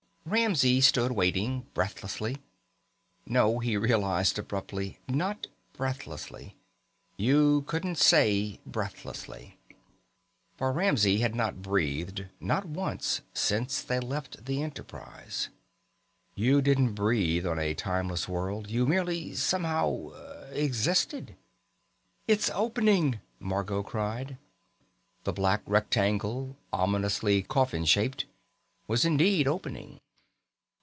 Ramsey stood waiting breathlessly. No, he realized abruptly, not breathlessly. You couldn't say breathlessly. For Ramsey had not breathed, not once, since they left the Enterprise. You didn't breathe on a timeless world. You merely somehow existed. "It's opening!" Margot cried. The black rectangle, ominously coffin shaped, was indeed opening.